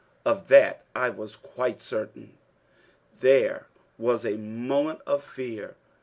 Of that I was quite certain. There was a moment of fear.